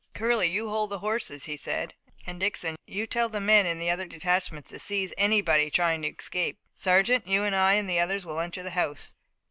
"Curley, you hold the horses," he said, "and Dixon, you tell the men in the other detachments to seize anybody trying to escape. Sergeant, you and I and the others will enter the house.